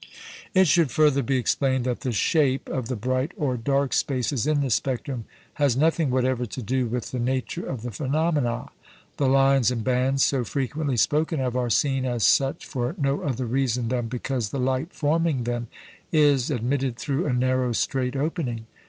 It should further be explained that the shape of the bright or dark spaces in the spectrum has nothing whatever to do with the nature of the phenomena. The "lines" and "bands" so frequently spoken of are seen as such for no other reason than because the light forming them is admitted through a narrow, straight opening.